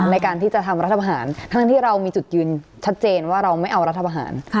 ในการที่จะทำรัฐประหารทั้งที่เรามีจุดยืนชัดเจนว่าเราไม่เอารัฐประหาร